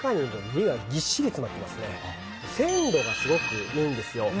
鮮度がすごくいいんですよ。